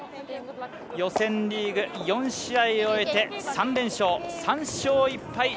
予選リーグ４試合を終えて３連勝、３勝１敗。